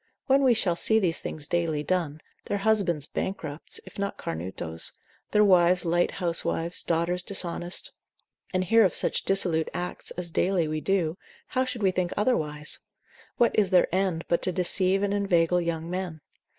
When we shall see these things daily done, their husbands bankrupts, if not cornutos, their wives light housewives, daughters dishonest; and hear of such dissolute acts, as daily we do, how should we think otherwise? what is their end, but to deceive and inveigle young men?